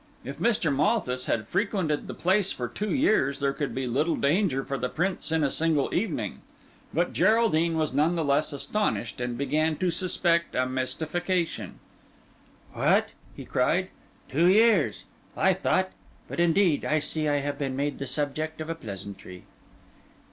If Mr. Malthus had frequented the place for two years there could be little danger for the Prince in a single evening. But Geraldine was none the less astonished, and began to suspect a mystification. "What!" cried he, "two years! I thought—but indeed I see I have been made the subject of a pleasantry."